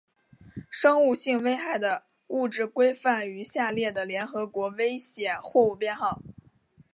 生物性危害的物质规范于下列的联合国危险货物编号